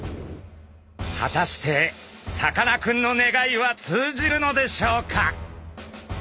果たしてさかなクンの願いは通じるのでしょうか。